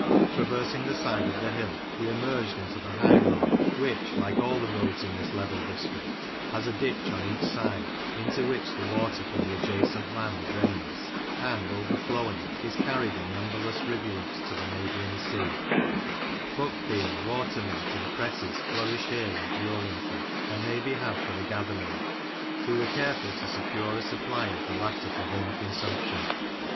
Traversing the side of the hill, we emerged into the high road, which, like all the roads in this level district, has a ditch on each side into which the water from the adjacent land drains, and, overflowing, is carried in numberless rivulets to the neighbouring sea, Buckbean, water mint, and cresses flourish here luxuriantly, and may be had for the gathering ; we were careful to secure a supply of the latter for home consumption.